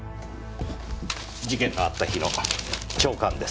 事件のあった日の朝刊です。